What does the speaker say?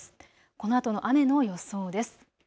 このあとの雨の予想です。